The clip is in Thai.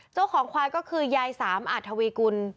เจ้าของควายก็คือยายสามอาทวีกุล